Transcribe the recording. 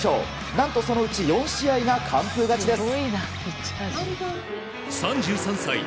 何とそのうち４試合が完封勝ちです。